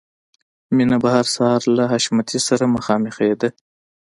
مینه به هر سهار له حشمتي سره مخامخېده